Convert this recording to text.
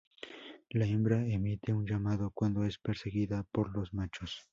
La hembra emite un llamado cuando es perseguida por los machos.